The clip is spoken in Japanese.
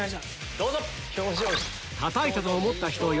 どうぞ！